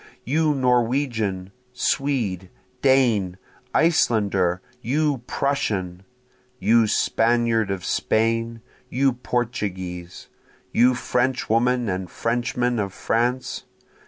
You Norwegian! Swede! Dane! Icelander! you Prussian! You Spaniard of Spain! you Portuguese! You Frenchwoman and Frenchman of France!